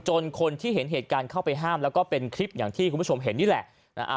คนที่เห็นเหตุการณ์เข้าไปห้ามแล้วก็เป็นคลิปอย่างที่คุณผู้ชมเห็นนี่แหละ